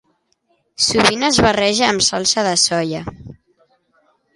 Sovint es barreja amb salsa de soia.